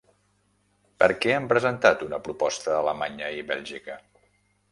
Per què han presentat una proposta Alemanya i Bèlgica?